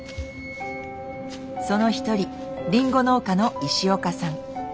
その一人りんご農家の石岡さん。